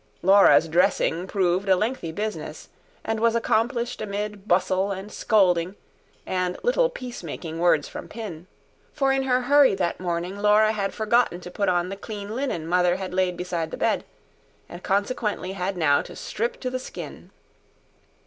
Laura's dressing proved a lengthy business, and was accomplished amid bustle, and scolding, and little peace making words from Pin; for in her hurry that morning Laura had forgotten to put on the clean linen Mother had laid beside the bed, and consequently had now to strip to the skin.